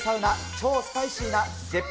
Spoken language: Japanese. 超スパイシーな絶品！